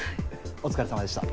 お疲れさまでした。